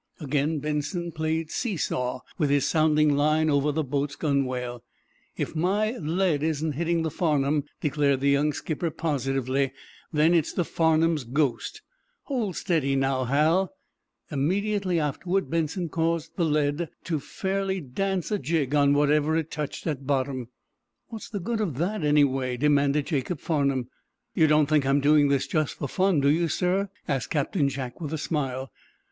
Again Benson played see saw with his sounding line over the boat's gunwale. "If my lead isn't hitting the 'Farnum,'" declared the young skipper, positively, "then it's the 'Farnum's' ghost. Hold steady, now, Hal." Immediately afterward, Benson caused the lead fairly to dance a jig on whatever it touched at bottom. "What's the good of that, anyway?" demanded Jacob Farnum. "You don't think I'm doing this just for fun, do you, sir?" asked Captain Jack, with a smile.